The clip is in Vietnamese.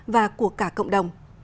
và của cả cộng đồng